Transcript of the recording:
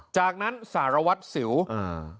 จากนั้นสารวัตรสิวอ่า